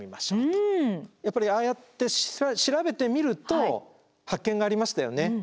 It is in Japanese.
やっぱりああやって調べてみると発見がありましたよね。